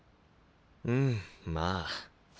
うんまあ。